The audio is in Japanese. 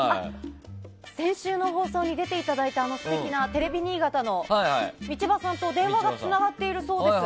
先週の放送に出ていただいた素敵なテレビ新潟の道場さんと電話がつながっているそうです。